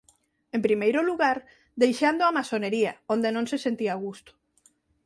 En primeiro lugar deixando a masonería onde non se sentía a gusto.